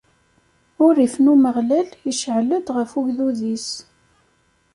Urrif n Umeɣlal iceɛl-d ɣef ugdud-is.